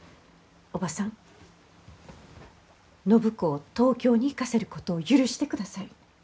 おばさん暢子を東京に行かせることを許してください。